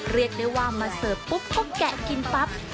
เรียกได้ว่ามาเสิร์ฟปุ๊บพอแกะกินปั๊บ